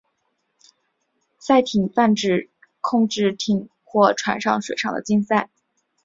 赛艇泛指控制艇或船的水上竞赛。